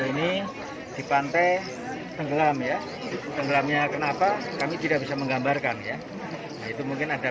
ini di pantai tenggelam ya tenggelamnya kenapa kami tidak bisa menggambarkan ya itu mungkin ada